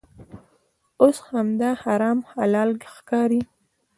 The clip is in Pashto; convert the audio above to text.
اوس همدا حرام حلال ښکاري.